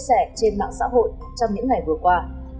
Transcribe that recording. chia sẻ trên mạng xã hội trong những ngày vừa qua